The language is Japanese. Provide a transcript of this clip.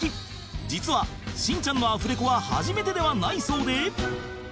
実は『しんちゃん』のアフレコは初めてではないそうで